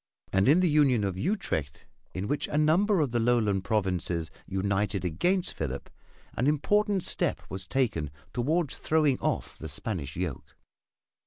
And in the Union of Utrecht, in which a number of the Lowland provinces united against Philip, an important step was taken toward throwing off the Spanish yoke.